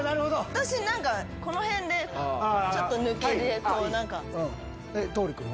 私何かこの辺でちょっと抜けでこう何か。